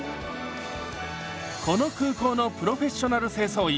この空港のプロフェッショナル清掃員